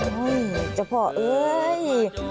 โอ้ยจะพอเอ้ย